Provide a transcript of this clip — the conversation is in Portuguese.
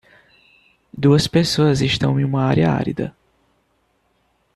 Duas pessoas estão em uma área árida.